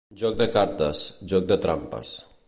Joc de cartes, joc de trampes.